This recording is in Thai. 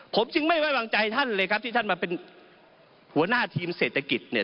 ผมจึงไม่ไว้วางใจท่านเลยครับที่ท่านมาเป็นหัวหน้าทีมเศรษฐกิจเนี่ย